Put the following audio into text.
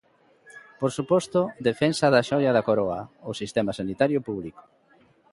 Por suposto defensa da xoia da Coroa: o sistema sanitario público.